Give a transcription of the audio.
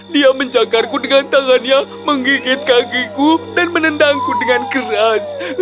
dia mencakarku dengan tangannya menggigit kakiku dan menendangku dengan keras